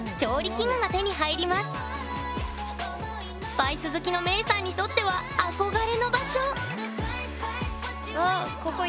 スパイス好きのメイさんにとっては憧れの場所うわっ。